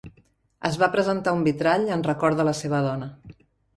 Es va presentar un vitrall en record de la seva dona.